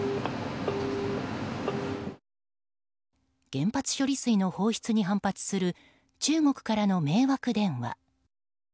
原発処理水の放出に反発する中国からの迷惑電話。